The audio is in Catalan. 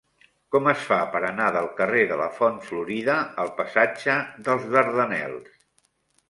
Com es fa per anar del carrer de la Font Florida al passatge dels Dardanels?